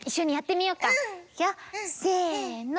せの。